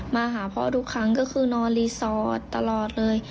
มาหาพ่อทุกครั้งก็คือนอนรีสอร์ทตลอดเลย